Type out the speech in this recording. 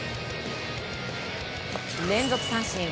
連続三振。